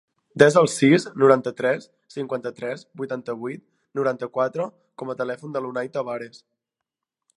Desa el sis, noranta-tres, cinquanta-tres, vuitanta-vuit, noranta-quatre com a telèfon de l'Unai Tabares.